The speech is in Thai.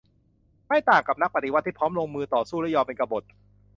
ไม่ต่างกับนักปฏิวัติที่พร้อมลงมือต่อสู้และยอมเป็นกบฏ